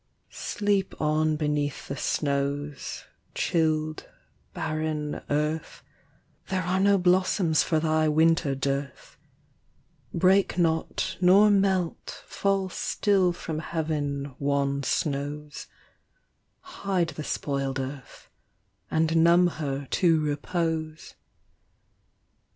Sleep on beneath the snows, chilled, barren, earth ; There are no blossoms for thy winter dearth : Break not nor melt, fall still from heaven, wan snows; Hide the spoiled earth, and numb her to repose.